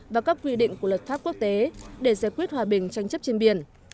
và các quy định của luật pháp quốc tế để giải quyết hòa bình tranh chấp trên biển